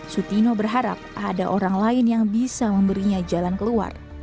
sutino berharap ada orang lain yang bisa memberinya jalan keluar